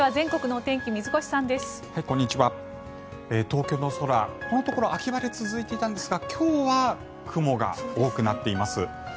東京の空、このところ秋晴れが続いていたのですが今日は雲が多くなっています。